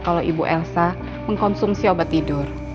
kalau ibu elsa mengkonsumsi obat tidur